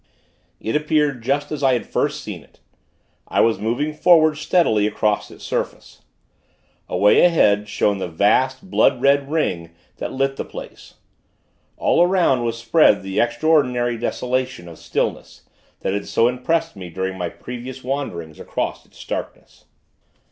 It appeared just as I had first seen it. I was moving forward, steadily, across its surface. Away ahead, shone the vast, blood red ring that lit the place. All around, was spread the extraordinary desolation of stillness, that had so impressed me during my previous wanderings across its starkness.